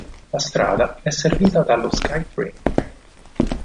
La strada è servita dallo SkyTrain.